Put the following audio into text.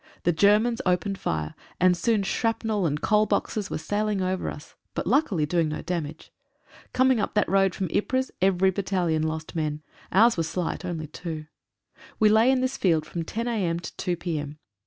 The Germans opened fire, and soon shrapnel and "coal boxes" were sailing over us, but luckily doing no damage. Coming up that road from Ypres every battalion lost men — ours were slight, only two. We lay in this field from 10 a.m. to 2 p.m.